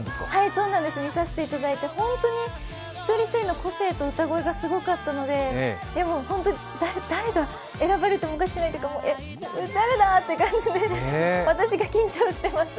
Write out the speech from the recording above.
そうなんです、見させていただいて、本当に一人一人の個性と歌声がすごかったのででもホント、誰が選ばれてもおかしくないというか、誰だーって感じで私が緊張してます。